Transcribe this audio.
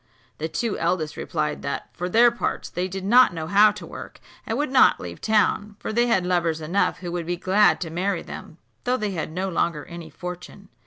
The two eldest replied that, for their parts, they did not know how to work, and would not leave town; for they had lovers enough who would be glad to marry them, though they had no longer any fortune.